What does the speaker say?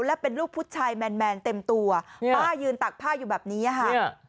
และเป็นลูกผู้ชายแมนเต็มตัวป้ายืนตักผ้าอยู่แบบนี้ค่ะ